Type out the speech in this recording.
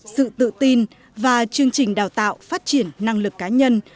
sự tự tin và chương trình đào tạo phát triển năng lực cá nhân